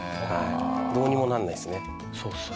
どうにもならないですね。